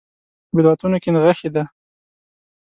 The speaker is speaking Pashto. بدعتونو کې نغښې ده.